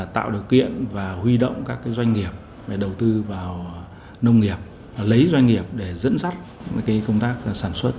tạo điều kiện và huy động các doanh nghiệp để đầu tư vào nông nghiệp lấy doanh nghiệp để dẫn dắt công tác sản xuất